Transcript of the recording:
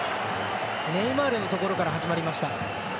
ネイマールのところから始まりました。